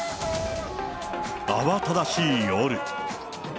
慌ただしい夜。